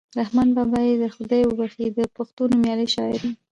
رحمان بابا دې یې خدای وبښي د پښتو نومیالی شاعر ؤ.